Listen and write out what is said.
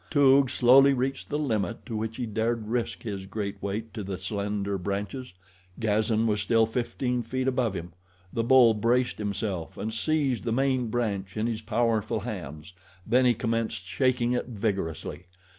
Toog slowly reached the limit to which he dared risk his great weight to the slender branches. Gazan was still fifteen feet above him. The bull braced himself and seized the main branch in his powerful hands, then he commenced shaking it vigorously.